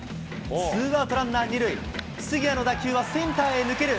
ツーアウトランナー２塁、杉谷の打球はセンターへ抜ける。